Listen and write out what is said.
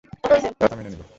তারা তা মেনে নিল।